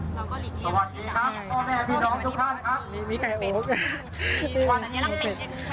สวัสดีครับพี่น้องทุกท่านครับ